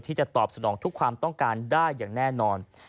ที่จะตอบสนองทุกความต้องการได้อย่างแน่นอน